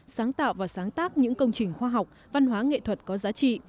sáng tạo và sáng tác những công trình khoa học văn hóa nghệ thuật có giá trị